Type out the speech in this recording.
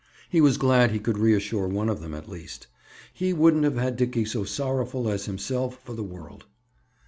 He was glad he could reassure one of them, at least. He wouldn't have had Dickie so sorrowful as himself for the world.